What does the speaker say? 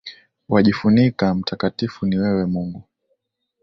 Wajifunika, mtakatifu ni wewe Mungu